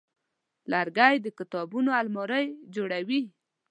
لرګی د کتابونو المارۍ جوړوي.